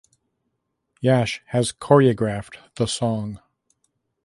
Yash has choreographed the song.